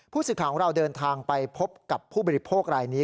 ผู้สื่อข่าวของเราเดินทางไปพบกับผู้บริโภครายนี้